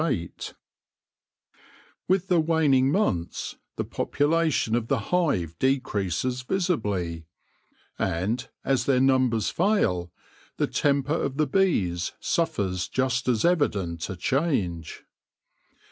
AFTER THE FEAST 173 With the waning months, the population of the hive decreases visibly, and, as their numbers fail, the temper of the bees suffers just as evident a change.